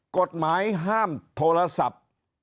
กฎหมายห้ามโทรศัพท์